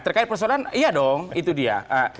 terkait persoalan iya dong itu dia